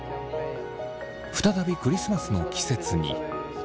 再びクリスマスの季節に。